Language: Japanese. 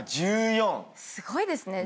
すごいですね。